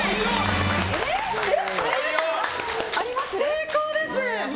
成功です！